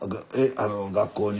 学校に。